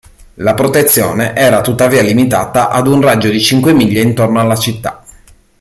La protezione era tuttavia limitata ad un raggio di cinque miglia intorno alla città.